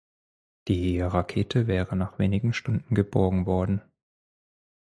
Die Rakete wäre nach wenigen Stunden geborgen worden.